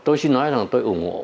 tôi xin nói rằng tôi ủng hộ